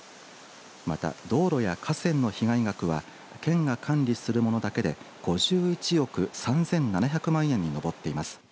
また、道路や河川の被害額は県が管理するものだけで５１億３７００万円に上っています。